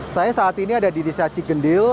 saya saat ini ada di desa cigenil